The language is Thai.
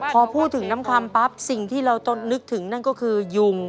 พอพูดถึงน้ำคำปั๊บสิ่งที่เราต้องนึกถึงนั่นก็คือยุง